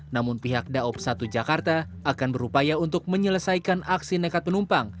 namun pihak daob satu jakarta akan berupaya untuk menyelesaikan aksi nekat penumpang